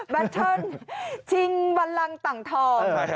แบตเทิลจิงบันรังต่างทอง